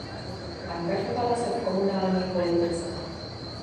Angažovala se v komunální politice.